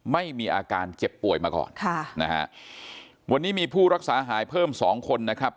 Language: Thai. ไม่มีอาการเจ็บป่วยมาก่อนค่ะนะฮะวันนี้มีผู้รักษาหายเพิ่มสองคนนะครับ